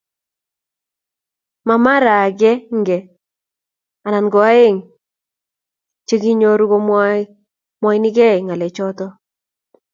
Ma mara akenge ana koeng che kukunyoru komwoinekei ngalechoto.